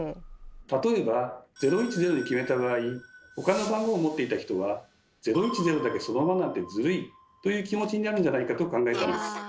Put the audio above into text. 例えば「０１０」に決めた場合他の番号を持っていた人は「『０１０』だけそのままなんてズルい」という気持ちになるんじゃないかと考えたんです。